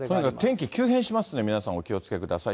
天気急変しますんで、皆さん、お気をつけください。